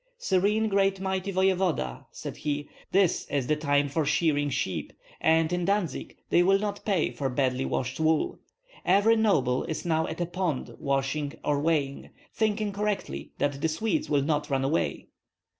"Serene great mighty voevoda," said he, "this is the time for shearing sheep, and in Dantzig they will not pay for badly washed wool. Every noble is now at a pond washing or weighing, thinking correctly that the Swedes will not run away."